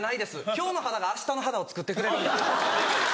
今日の肌があしたの肌をつくってくれるんで。